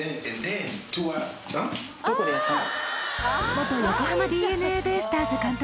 元横浜ＤｅＮＡベイスターズ監督